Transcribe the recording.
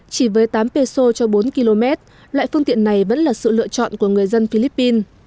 chỉ với tám peso cho bốn km loại phương tiện này vẫn là sự lựa chọn của người dân philippines